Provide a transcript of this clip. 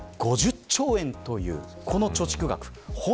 ５０兆円というこの貯蓄額。